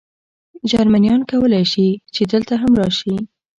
جرمنیان کولای شي، چې دلته هم راشي.